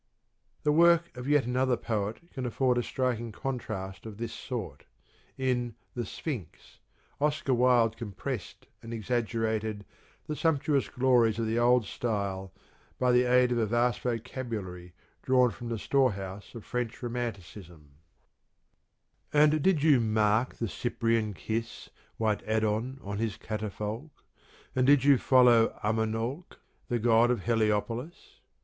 The work of yet another poet can afford a striking contrast of this sort. In the "Sphinx" Oscar Wilde compressed and exaggerated the sumptuous glories of the old style by the aid of a vast vocabulary drawn from the storehouse of French romanticism : And did you mark the Cyprian kiss White Adon on his catafalque, And did you follow Amanalk The God of Heliopolis